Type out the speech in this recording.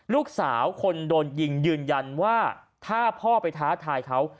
ลูกสาวคนโดนยิงยืนยันว่าถ้าพ่อไปท้าทายเขา